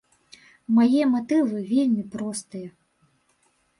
Мае матывы вельмі простыя.